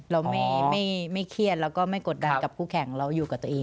เราไม่เครียดแล้วก็ไม่กดดันกับคู่แข่งเราอยู่กับตัวเอง